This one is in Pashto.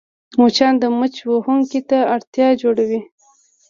مچان د مچ وهونکي ته اړتیا جوړوي